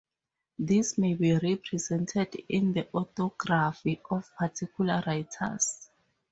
This may be represented in the orthography of particular writers.